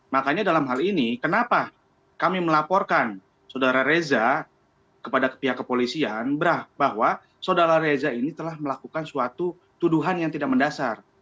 makanya dalam hal ini kenapa kami melaporkan saudara reza kepada pihak kepolisian bahwa saudara reza ini telah melakukan suatu tuduhan yang tidak mendasar